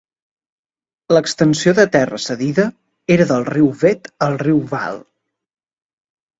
L'extensió de terra cedida era del riu Vet al riu Vaal.